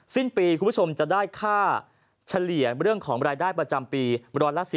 สิ้นปีคุณผู้ชมจะได้ค่าเฉลี่ยเรื่องของรายได้ประจำปี๑๑๐